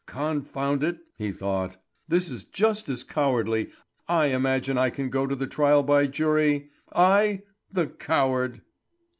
"Confound it!" he thought. "This is just as cowardly, I imagine I can go to the trial by jury? I? The coward!"